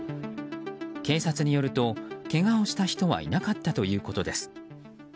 警察によるとけがをした人はいなかったということです。